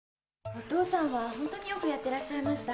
お父さんはホントによくやってらっしゃいました。